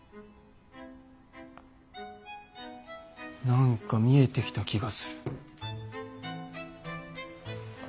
何か見えてきた気がする。